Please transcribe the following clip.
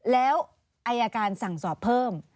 แล้วอายการสั่งสอบเพิ่ม